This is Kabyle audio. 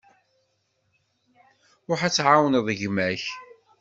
Ruḥ ad tεawneḍ gma-k.